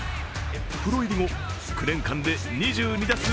プロ入り後、９年間で２２打数